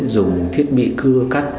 dùng thiết bị cưa cắt